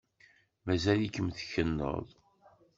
Mazal-ikem tkennuḍ.